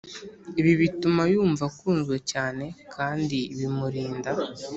ibi bituma yumva akunzwe cyane kandi bimurinda